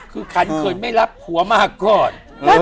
คือขันเขินไม่รับผัวมาก่อน